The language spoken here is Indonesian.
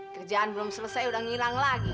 kerjaan belum selesai udah ngilang lagi